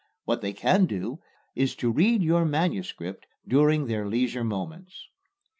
What they can do is to read your manuscript during their leisure moments."